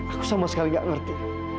aku sama sekali gak ngerti